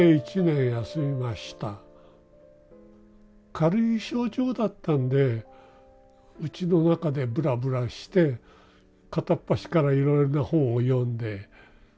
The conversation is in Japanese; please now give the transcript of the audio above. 軽い症状だったんでうちの中でブラブラして片っ端からいろいろな本を読んでという。